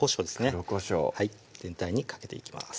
黒こしょう全体にかけていきます